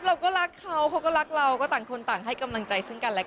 เราก็รักเขาเขาก็รักเราก็ต่างคนต่างให้กำลังใจซึ่งกันและกัน